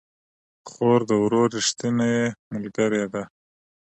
خور د ورور ريښتينې ملګرې ده